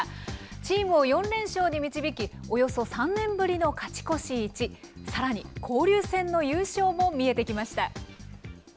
チームを４連勝に導き、およそ３年ぶりの勝ち越し１、さらに、交流戦の優勝も見えてきました。